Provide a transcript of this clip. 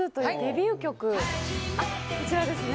あっこちらですね。